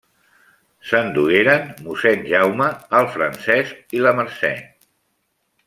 Se'n dugueren mossèn Jaume, el Francesc i la Mercè.